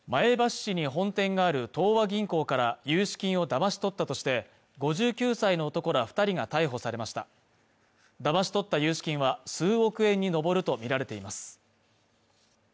前橋市に本店がある東和銀行から融資金をだまし取ったとして５９歳の男ら二人が逮捕されましただまし取った融資金は数億円に上るとみられています